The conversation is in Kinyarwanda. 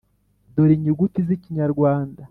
dore inyuguti z’ikinyarwanda: